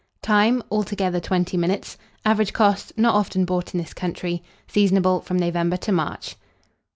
Time. Altogether, 20 minutes. Average cost. Not often bought in this country. Seasonable from November to March.